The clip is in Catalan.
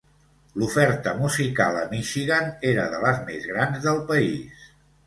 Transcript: L'oferta musical a Michigan era de les més grans del país.